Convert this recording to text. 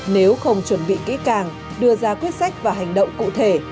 nếu không chuẩn bị kỹ càng đưa ra quyết sách và hành động cụ thể